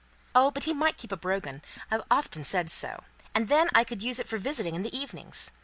"Oh! but he might keep a brougham! I've often said so. And then I could use it for visiting in the evenings.